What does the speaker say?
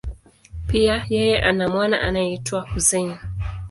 Pia, yeye ana mwana anayeitwa Hussein.